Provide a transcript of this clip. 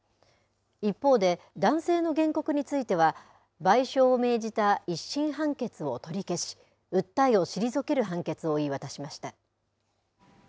一方で男性の原告については賠償を命じた１審判決を取り消し訴えを退ける判決を言い渡しました。